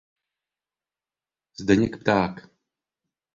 Zdeněk Pták.